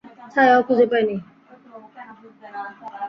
ছায়াও খুঁজে পাইনি।